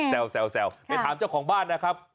แซวไปถามเจ้าของบ้านนะครับ